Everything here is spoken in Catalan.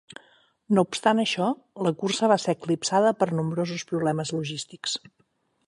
No obstant això, la cursa va ser eclipsada per nombrosos problemes logístics.